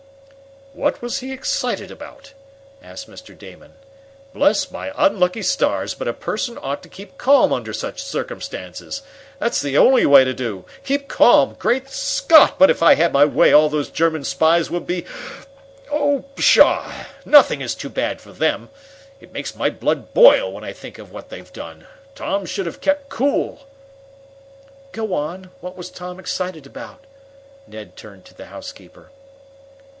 "What was he excited about?" asked Mr. Damon. "Bless my unlucky stars, but a person ought to keep calm under such circumstances! That's the only way to do! Keep calm! Great Scott! But if I had my way, all those German spies would be Oh, pshaw! Nothing is too bad for them! It makes my blood boil when I think of what they've done! Tom should have kept cool!" "Go on. What was Tom excited about?" Ned turned to the housekeeper.